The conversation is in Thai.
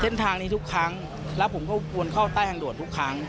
เส้นทางนี้ทุกครั้งแล้วผมก็ควรเข้าใต้ทางด่วนทุกครั้ง